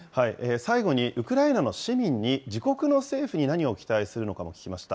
最後にウクライナの市民に、自国の政府に何を期待するのかも聞きました。